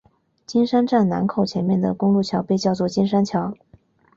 金山站南口前面的公路桥被叫做金山桥。